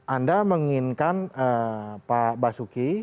anda menginginkan pak basuki